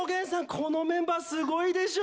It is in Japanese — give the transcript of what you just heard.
このメンバー、すごいでしょ！